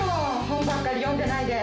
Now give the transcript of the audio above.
本ばっかり読んでないで。